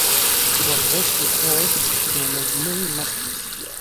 ورزش د خوب بېنظمۍ مخه نیسي.